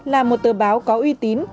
là một tờ báo có uy tín